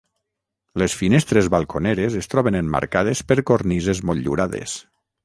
Les finestres balconeres es troben emmarcades per cornises motllurades.